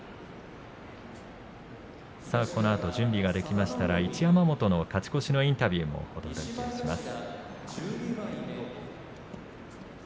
このあと準備ができましたら一山本の勝ち越しインタビューもお届けします。